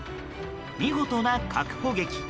見事な確保劇。